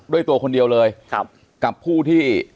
ด้วยตัวคนเดียวเลยกับผู้ที่